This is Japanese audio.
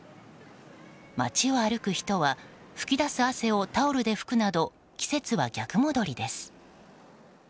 街を歩く人は噴き出す汗をタオルで拭くなど季節は逆戻りです。